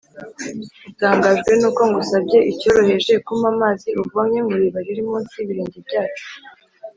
.” Utangajwe nuko ngusabye icyoroheje kumpa amazi uvomye mw’iriba riri munsi y’ibirenge byacu